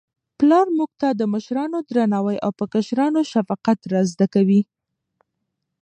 پلار موږ ته د مشرانو درناوی او په کشرانو شفقت را زده کوي.